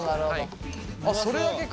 それだけか。